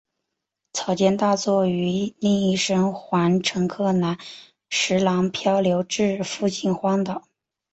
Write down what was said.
草间大作与另一生还乘客岚十郎漂流至附近荒岛。